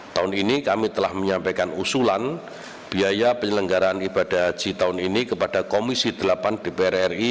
tahun ini kami telah menyampaikan usulan biaya penyelenggaraan ibadah haji tahun ini kepada komisi delapan dpr ri